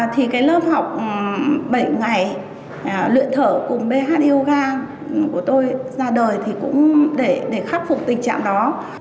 thì cái lớp học bảy ngày luyện thở cùng bh yoga của tôi ra đời thì cũng để khắc phục tình trạng đó